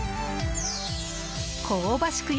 香ばしく